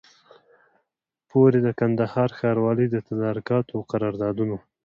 پوري د کندهار ښاروالۍ د تدارکاتو او قراردادونو